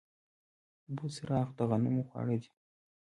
بوسراغ د غنمو خواړه دي.